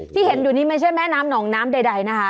ที่เห็นไม่ใช่แม่น้ำหนองน้ำใดนะฮะ